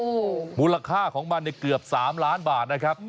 โอ้โหมูลค่าของมันเนี่ยเกือบ๓ล้านบาทนะครับ